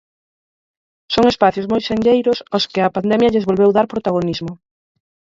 Son espazos moi senlleiros ós que a pandemia lles volveu dar protagonismo.